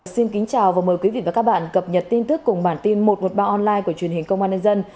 xin kính chào và mời quý vị và các bạn cập nhật tin tức cùng bản tin một trăm một mươi ba online của truyền hình công an nhân dân